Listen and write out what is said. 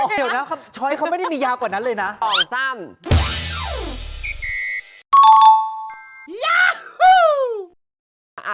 เดี๋ยวนะช้อยเขาไม่ได้มียาวกว่านั้นเลยนะ